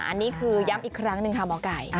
อันนี้คือย้ำอีกครั้งหนึ่งค่ะหมอไก่